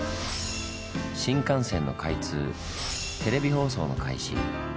新幹線の開通テレビ放送の開始